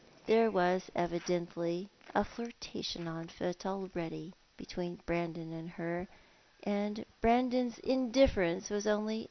There was evidently a flirtation on foot already between Brandon and her, and Brandon's indifference was only If it could have been.